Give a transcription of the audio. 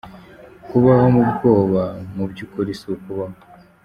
“Kubaho mu bwoba, mu by’ukuri si ukubaho.